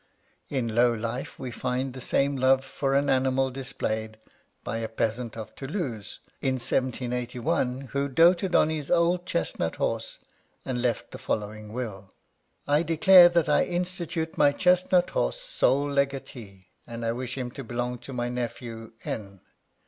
In low life we find the same love for an animal displayed by a peasant of Toulouse, in 1781, who doted on his old chestnut horse, and left the following will : I declare that I institute my chestnut horse sole legatee, and I wish him to belong to my nephew N.